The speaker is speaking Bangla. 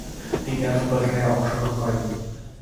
তিনি আর ফুটবল খেলায় অংশগ্রহণ করেননি।